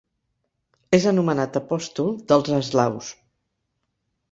És anomenat apòstol dels eslaus.